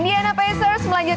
yang ke sepuluhnya